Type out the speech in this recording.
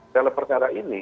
dalam perkara ini